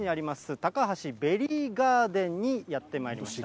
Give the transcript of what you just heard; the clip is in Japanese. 高橋ベリーガーデンにやってまいりました。